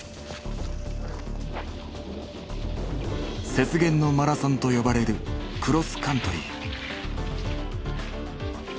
「雪原のマラソン」と呼ばれるクロスカントリー。